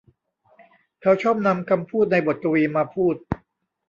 เขาชอบนำคำพูดในบทกวีมาพูด